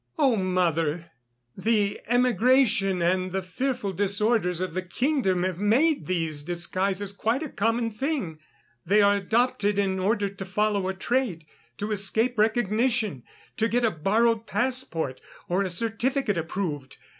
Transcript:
"Oh! mother, the emigration and the fearful disorders of the kingdom have made these disguises quite a common thing. They are adopted in order to follow a trade, to escape recognition, to get a borrowed passport or a certificate approved.